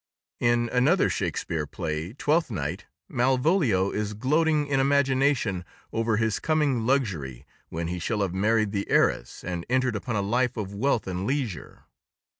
In another Shakespeare play, Twelfth Night, Malvolio is gloating in imagination over his coming luxury when he shall have married the heiress and entered upon a life of wealth and leisure.